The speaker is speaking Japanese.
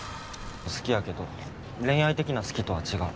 好きやけど恋愛的な好きとは違う。